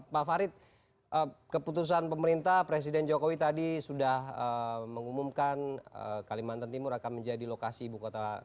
pak farid keputusan pemerintah presiden jokowi tadi sudah mengumumkan kalimantan timur akan menjadi lokasi ibu kota